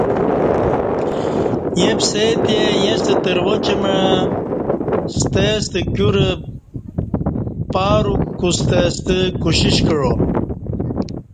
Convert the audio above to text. ییں پسے تی ایݩستہ ترواچ مع ستے ستہ کیور پاروک کُوستہ ستہ کوشش کعا